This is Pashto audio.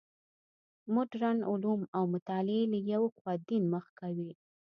مډرن علوم او مطالعې له یوې خوا دین مخ کوي.